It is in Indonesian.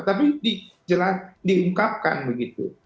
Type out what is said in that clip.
tapi diungkapkan begitu